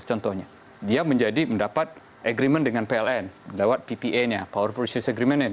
contohnya dia menjadi mendapat agreement dengan pln lewat ppa nya power process agreement